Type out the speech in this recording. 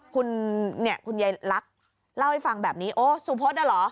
คุณเนี่ยคุณยายลักษณ์เล่าให้ฟังแบบนี้โอ้สุพศอ่ะเหรอ